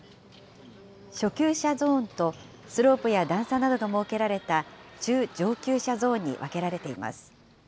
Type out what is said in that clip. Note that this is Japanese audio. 初級者ゾーンと、スロープや段差などが設けられた中・上級者ゾーンに分けられています。